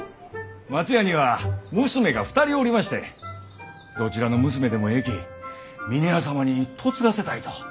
松屋には娘が２人おりましてどちらの娘でもえいき峰屋様に嫁がせたいと。